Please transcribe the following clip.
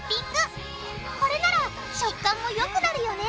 これなら食感もよくなるよね！